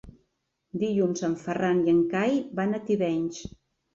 Dilluns en Ferran i en Cai van a Tivenys.